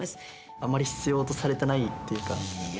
あまり必要とされてないっていうか。